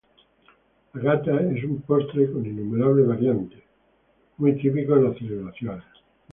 El gata es un postre con innumerables variantes muy típico en las celebraciones.